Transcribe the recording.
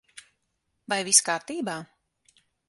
Vai viss kārtībā?